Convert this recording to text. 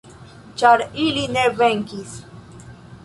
Ĉar ili ne venkis!